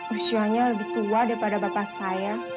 usianya lebih tua daripada bapak saya